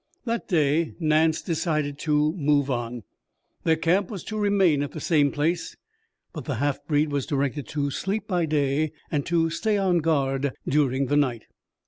That day Nance decided to move on. Their camp was to remain at the same place, but the half breed was directed to sleep by day and to stay on guard during the night.